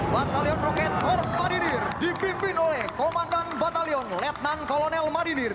batalion roket korps baridir dipimpin oleh komandan batalion letnan kolonel baridir